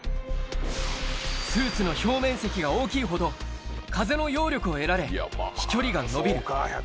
スーツの表面積が大きいほど、風の揚力を得られ、飛距離が伸びる。